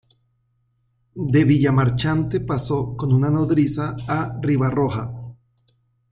De Villamarchante pasó con una nodriza a Ribarroja.